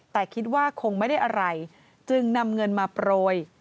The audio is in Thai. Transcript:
แต่คิดว่าคงไม่ได้อะไรจึงนำเงินมาโปรย